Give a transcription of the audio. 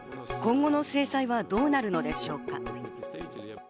今後の制裁はどうなるのでしょうか。